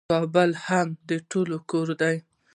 کابل هم د ټولو کور دی.